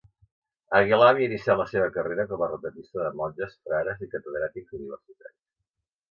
Aguilar havia iniciat la seva carrera com a retratista de monges, frares i catedràtics universitaris.